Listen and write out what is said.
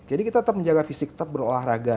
jadi kita tetap menjaga fisik tetap berolahraga